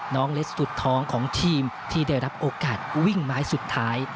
น้องเล็กสุดท้องของทีมที่ได้รับโอกาสวิ่งไม้สุดท้าย